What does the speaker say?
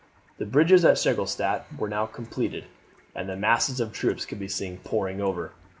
The bridges at Seligenstadt were now completed, and masses of troops could be seen pouring over.